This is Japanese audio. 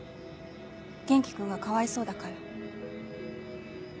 元気君がかわいそうだから。